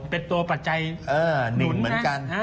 เป็นตัวปัจจัยหนุนนะ